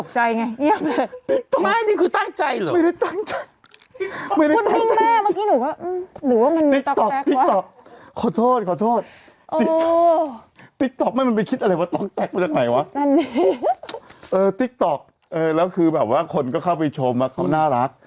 ซะนั่งไหวพี่เอ่อติ๊กตอกเอ่อแล้วคือแบบว่าคนก็เข้าไปชมอะก็น่ารัก